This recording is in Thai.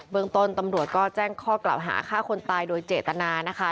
เมืองต้นตำรวจก็แจ้งข้อกล่าวหาฆ่าคนตายโดยเจตนานะคะ